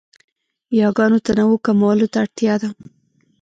یاګانو تنوع کمولو ته اړتیا ده.